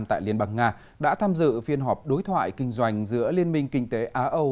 tại liên bang nga đã tham dự phiên họp đối thoại kinh doanh giữa liên minh kinh tế á âu